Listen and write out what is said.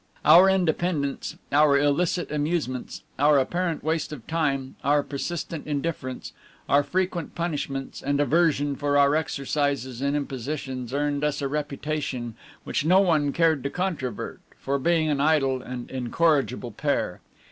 Our independence, our illicit amusements, our apparent waste of time, our persistent indifference, our frequent punishments and aversion for our exercises and impositions, earned us a reputation, which no one cared to controvert, for being an idle and incorrigible pair.